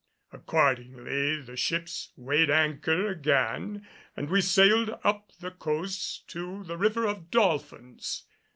Accordingly the ships weighed anchor again and we sailed up the coast to the River of Dolphins.